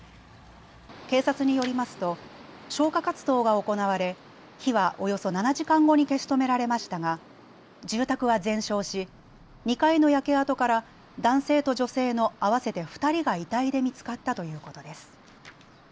警察によりますと消火活動が行われ火はおよそ７時間後に消し止められましたが住宅は全焼し２階の焼け跡から男性と女性の合わせて２人が遺体で見つかったということです。